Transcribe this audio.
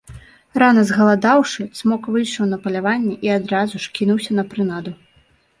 Рана згаладаўшы, цмок выйшаў на паляванне і адразу ж кінуўся на прынаду.